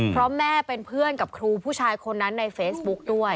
เพราะแม่เป็นเพื่อนกับครูผู้ชายคนนั้นในเฟซบุ๊กด้วย